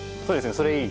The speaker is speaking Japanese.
それいい。